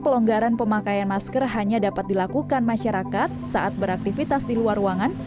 pelonggaran pemakaian masker hanya dapat dilakukan masyarakat saat beraktivitas di luar ruangan